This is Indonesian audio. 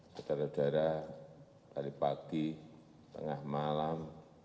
saudara saudara tadi pagi tengah malam